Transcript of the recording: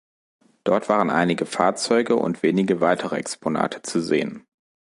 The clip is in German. Dort waren einige Fahrzeuge und wenige weitere Exponate zu sehen.